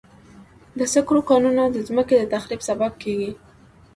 د سکرو کانونه د مځکې د تخریب سبب کېږي.